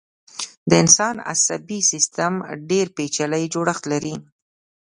د انسان عصبي سيستم ډېر پيچلی جوړښت لري.